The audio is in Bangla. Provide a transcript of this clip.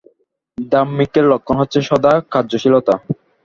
ধার্মিকের লক্ষণ হচ্ছে সদা কার্যশীলতা।